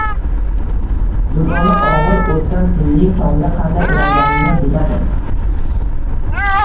Durdona og`ir o`tgan tunning tongga qanday ulanganini bilmadi